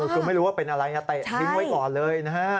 คือไม่รู้ว่าเป็นอะไรเตะทิ้งไว้ก่อนเลยนะฮะ